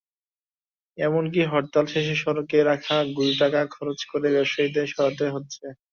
এমনকি হরতাল শেষে সড়কে রাখা গুঁড়ি টাকা খরচ করে ব্যবসায়ীদেরই সরাতে হচ্ছে।